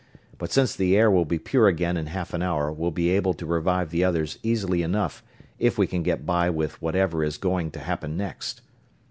But since the air will be pure again in half an hour we'll be able to revive the others easily enough if we can get by with whatever is going to happen next.